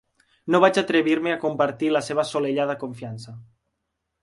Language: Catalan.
No vaig atrevir-me a compartir la seva assolellada confiança.